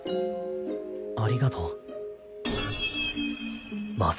ありがとう。